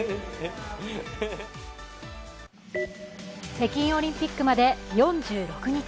北京オリンピックまで４６日。